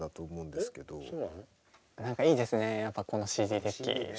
何かいいですねやっぱこのＣＤデッキ。